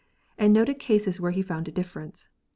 and noted cases where he found a difference.